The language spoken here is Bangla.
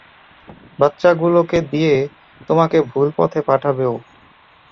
বাচ্চাগুলোকে দিয়ে তোমাকে ভুল পথে পাঠাবে ও।